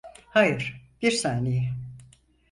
Hayır, bir saniye.